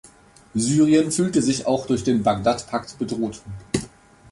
Syrien fühlte sich auch durch den Bagdad-Pakt bedroht.